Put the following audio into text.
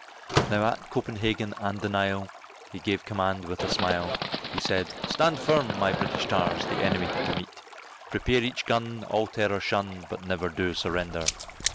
Now at Copenhagen and the Nile, he gave command with a smile, He said, "Stand firm, my British tars, the enemy to meet; Prepare each gun all terror shun, but never do surrender!